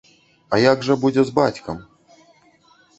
А як жа будзе з бацькам?